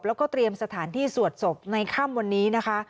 แล้วก็เตรียมสถานที่สวดศพในค่ำวันนี้นะคะ